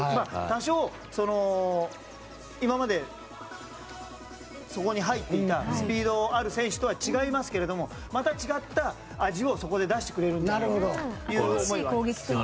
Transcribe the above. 多少、今までそこに入っていたスピードある選手とは違いますけれどもまた違った味をそこで出してくれるんじゃないかという思いはあります。